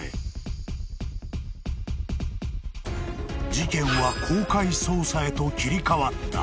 ［事件は公開捜査へと切り替わった］